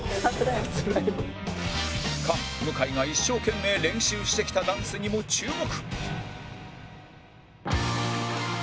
菅向井が一生懸命練習してきたダンスにも注目！